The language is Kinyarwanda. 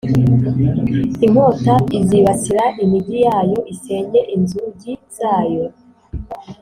Inkota izibasira imigi yayo, isenye inzugi zayo,